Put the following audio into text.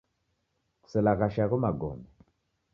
Kuselaghashe agho magome.